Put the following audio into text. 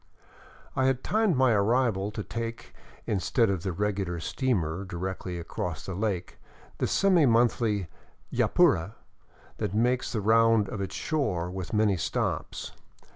I had timed my arrival to take, instead of the regular steamer directly across the lake, the semi monthly " Yapura " that makes the round of its shore, with many stops.